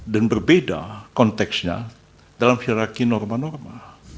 dan berbeda konteksnya dalam hirarki norma norma